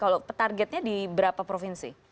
kalau targetnya di berapa provinsi